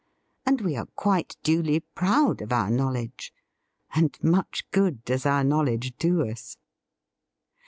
And we are quite duly proud of our knowledge. And much good does our knowledge do us!